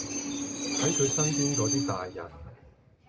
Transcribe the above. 喺佢身邊嗰啲大人